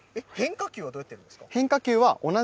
変化球はどうやってるんですか。